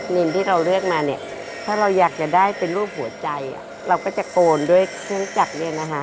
นินที่เราเลือกมาเนี่ยถ้าเราอยากจะได้เป็นรูปหัวใจเราก็จะโกนด้วยเครื่องจักรเนี่ยนะคะ